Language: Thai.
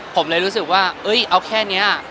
ผมเลยรู้สึกว่าเอ้ยเอาแค่เนี้ย